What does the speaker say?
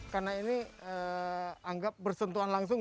karena ini anggap bersentuhan langsung